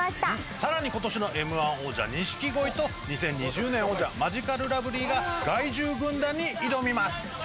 さらに今年のＭ−１王者、錦鯉と２０２０年王者マヂカルラブリーが害獣軍団に挑みます。